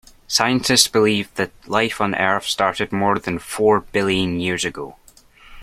Scientists believe that life on Earth started more than four billion years ago